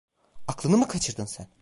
Aklını mı kaçırdın sen?